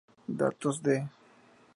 Datos de